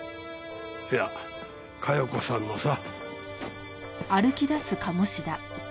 いや加代子さんのさ。